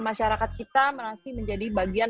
masyarakat kita masih menjadi bagian